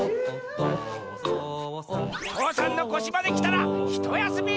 父山のこしまできたらひとやすみ！